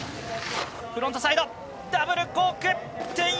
フロントサイドダブルコーク１０８０！